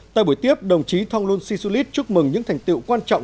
tại buổi tiếp đồng chí thonglun sisulit chúc mừng những thành tiệu quan trọng